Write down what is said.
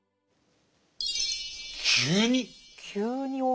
急に？